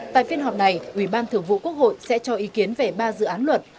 tại phiên họp này ubthqh sẽ cho ý kiến về ba dự án luật